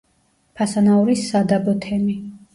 ფასანაურის სადაბო თემი.